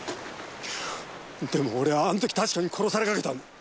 でも俺はあん時確かに殺されかけたんだ。